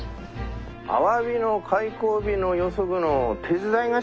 アワビの開口日の予測の手伝いがしてえ？